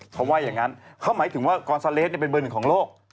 เขาว่าอย่างนั้นเขาหมายถึงว่ากอนซาเลสเป็นเบอร์หนึ่งของโลก